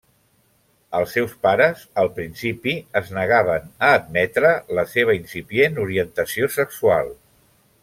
Els seus pares al principi es negaven a admetre la seva incipient orientació sexual.